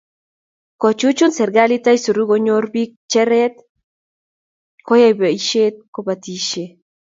Kochuchuch serkalit aisuru konyoru bik cheret koyai boisietab kobotisiet